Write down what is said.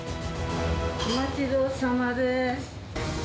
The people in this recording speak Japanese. お待ちどおさまです。